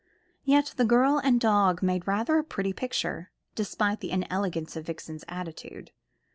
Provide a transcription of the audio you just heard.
Yet the girl and dog made rather a pretty picture, despite the inelegance of Vixen's attitude.